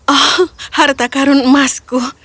oh harta karun emasku